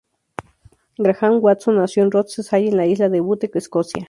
Graham Watson nació en Rothesay, en la Isla de Bute, Escocia.